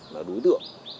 là đối tượng